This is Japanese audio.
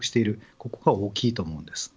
ここ、大きいと思うんです。